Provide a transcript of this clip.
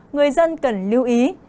người dân cần lưu ý